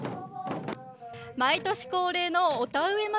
毎年恒例のお田植え祭。